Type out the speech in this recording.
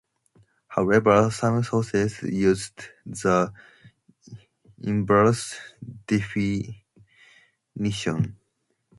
However, some sources use the inverse definition.